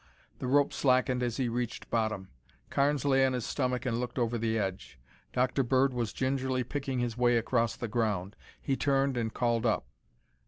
The rope slackened as he reached bottom. Carnes lay on his stomach and looked over the edge. Dr. Bird was gingerly picking his way across the ground. He turned and called up.